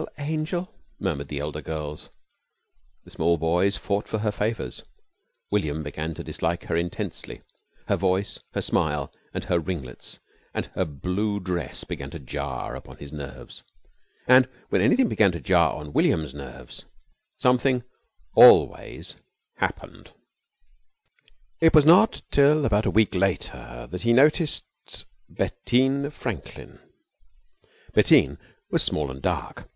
"Little angel," murmured the elder girls. The small boys fought for her favours. William began to dislike her intensely. Her voice, and her smile, and her ringlets, and her blue dress began to jar upon his nerves. And when anything began to jar on William's nerves something always happened. It was not till about a week later that he noticed Bettine Franklin. Bettine was small and dark.